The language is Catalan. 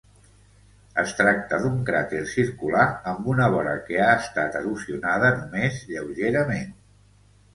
Es tracta d'un cràter circular amb una vora que ha estat erosionada només lleugerament.